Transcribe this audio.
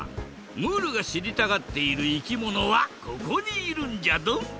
ムールがしりたがっているいきものはここにいるんじゃドン。